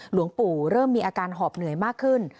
หลวงปู่เริ่มมีอาการหอบเหนื่อยมากขึ้น